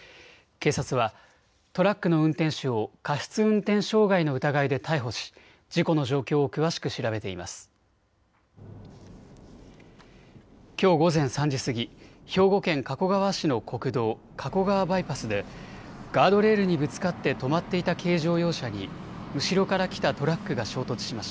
警察はトラックの運転手を過失運転傷害の疑いで逮捕し事故の状況を詳しく調べています。